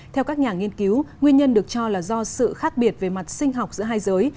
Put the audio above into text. theo các nhà nghiên cứu nguyên nhân được cho là do sự khác biệt về mặt sinh học giữa hai giới